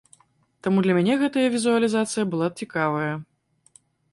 Таму для мяне гэтая візуалізацыя была цікавая.